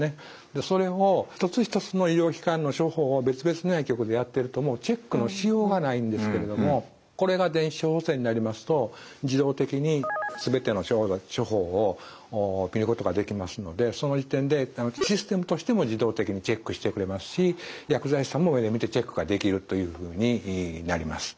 それを一つ一つその医療機関の処方を別々の薬局でやってるともうチェックのしようがないんですけれどもこれが電子処方箋になりますと自動的にすべての処方を見ることができますのでその時点でシステムとしても自動的にチェックしてくれますし薬剤師さんも目で見てチェックができるというふうになります。